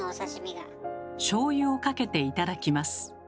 しょうゆをかけて頂きます。